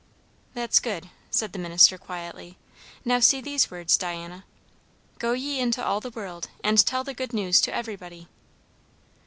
"That's good," said the minister quietly. "Now see these words, Diana, 'Go ye into all the world, and tell the good news to everybody.'"